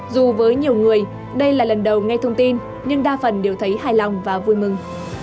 dù với nhiều người đây là lần đầu nghe thông tin nhưng đa phần đều thấy hài lòng và vui mừng